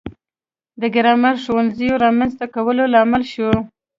د ګرامر ښوونځیو رامنځته کولو لامل شو.